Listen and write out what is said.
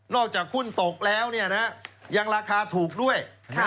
จากหุ้นตกแล้วยังราคาถูกด้วย